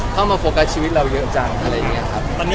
เข้ามาโฟกัสชีวิตเราเยอะจังอะไรอย่างนี้ครับ